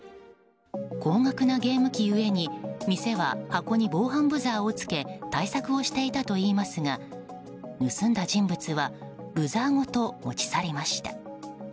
高額なゲーム機ゆえに店は箱に防犯ブザーをつけ対策をしていたといいますが盗んだ人物はブザーごと持ち去りました。